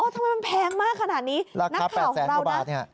ทำไมมันแพงมากขนาดนี้นักข่าวของเรานะ